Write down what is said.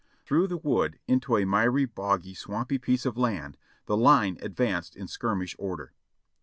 Through the wood into a miry, boggy, swampy piece of land tlie line advanced in skirmish order.